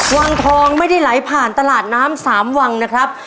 วังทองไม่ได้ไหลผ่านตลาดน้ำสามวังนะครับ